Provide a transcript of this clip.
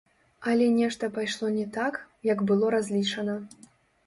Але нешта пайшло не так, як было разлічана.